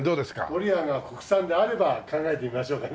ドリアンが国産であれば考えてみましょうかね。